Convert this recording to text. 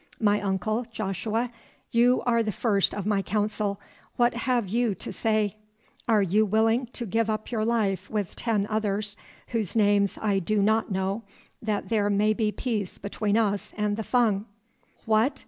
My uncle, Joshua, you are the first of my Council, what have you to say? Are you willing to give up your life with ten others whose names I do not know, that there may be peace between us and the Fung?" "What?"